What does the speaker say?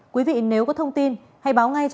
quý vị nếu có thông tin